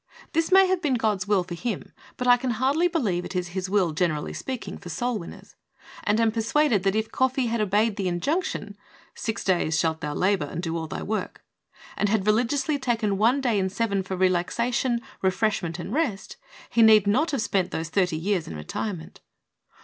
This may have been God's will for him, but I can hardly believe it is His will, generally speaking, for soul winners, and am persuaded that if Caughey had obeyed the injunction, "Six days shalt thou labor and do all thy work," and had religiously taken one day in seven for relaxation, refreshment and rest, he need not have spent those thirty years in retirement.